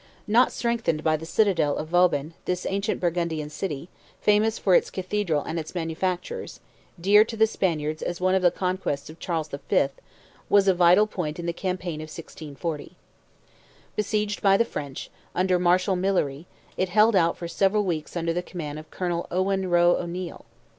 Not yet strengthened by the citadel of Vauban, this ancient Burgundian city, famous for its cathedral and its manufactures, dear to the Spaniards as one of the conquests of Charles V., was a vital point in the campaign of 1640. Besieged by the French, under Marshal Millerie, it held out for several weeks under the command of Colonel Owen Roe O'Neil.